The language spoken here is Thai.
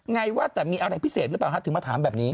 ไงว่าแต่มีอะไรพิเศษหรือเปล่าถึงมาถามแบบนี้